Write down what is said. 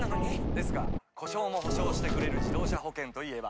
ですが故障も補償してくれる自動車保険といえば？